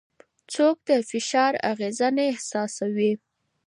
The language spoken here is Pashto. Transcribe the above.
څوک د فشار اغېزه نه احساسوي؟